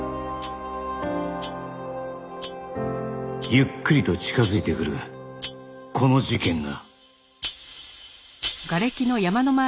「ゆっくりと近づいてくるこの事件が」